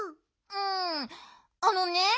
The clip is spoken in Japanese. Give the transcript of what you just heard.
うんあのね